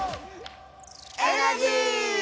⁉エナジー！